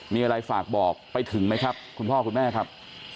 มีอะไรฝากบอกไปถึงไหมครับคุณพ่อคุณแม่ครับ